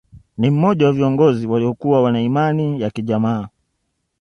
Ni mmoja wa viongozi waliokua wana Imani ya kijamaa